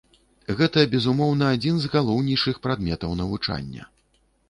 Гэта, безумоўна, адзін з галоўнейшых прадметаў навучання.